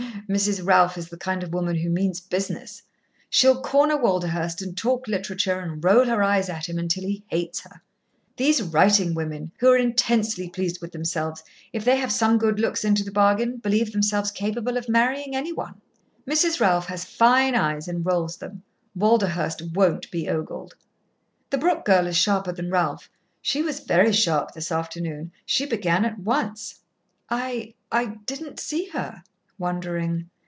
"Mrs. Ralph is the kind of woman who means business. She'll corner Walderhurst and talk literature and roll her eyes at him until he hates her. These writing women, who are intensely pleased with themselves, if they have some good looks into the bargain, believe themselves capable of marrying any one. Mrs. Ralph has fine eyes and rolls them. Walderhurst won't be ogled. The Brooke girl is sharper than Ralph. She was very sharp this afternoon. She began at once." "I I didn't see her" wondering.